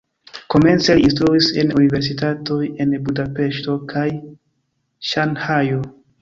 Komence li instruis en universitatoj en Budapeŝto kaj Ŝanhajo.